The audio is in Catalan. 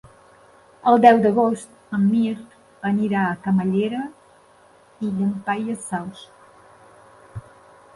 El deu d'agost en Mirt anirà a Camallera i Llampaies Saus.